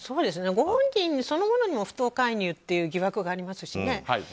ご本人そのものにも不当介入という疑惑がありますしね。